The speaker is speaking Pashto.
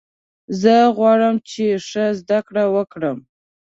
زه غواړم چې ښه زده کړه وکړم.